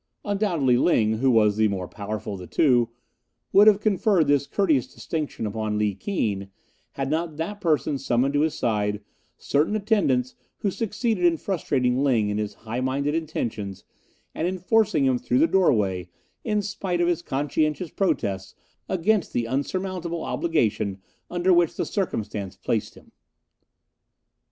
Undoubtedly Ling, who was the more powerful of the two, would have conferred this courteous distinction upon Li Keen had not that person summoned to his side certain attendants who succeeded in frustrating Ling in his high minded intentions, and in forcing him through the doorway in spite of his conscientious protests against the unsurmountable obligation under which the circumstance placed him.